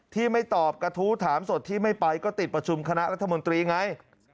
ที่ไม่ตอบกระทู้ถามสดที่ไม่ไปก็ติดประชุมคณะรัฐมนตรีไง